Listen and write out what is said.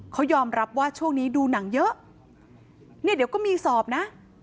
เขายอมรับว่าช่วงนี้ดูหนังเยอะเนี่ยเดี๋ยวก็มีสอบนะ